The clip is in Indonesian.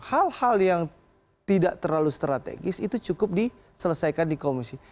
hal hal yang tidak terlalu strategis itu cukup diselesaikan di komisi